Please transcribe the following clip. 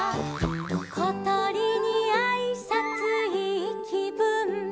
「ことりにあいさついいきぶん」